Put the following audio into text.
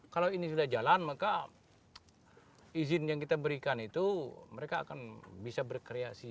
kalau ini sudah jalan maka izin yang kita berikan itu mereka akan bisa berkreasi